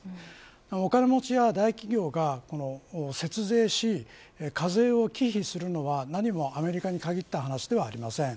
お金持ちや大企業が節税し、課税を忌避するのは何もアメリカに限った話ではありません。